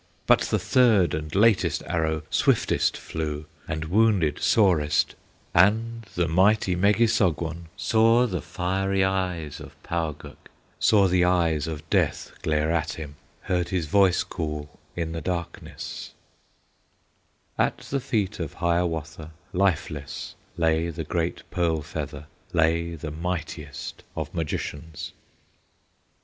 But the third and latest arrow Swiftest flew, and wounded sorest, And the mighty Megissogwon Saw the fiery eyes of Pauguk, Saw the eyes of Death glare at him, Heard his voice call in the darkness; At the feet of Hiawatha Lifeless lay the great Pearl Feather, Lay the mightiest of Magicians.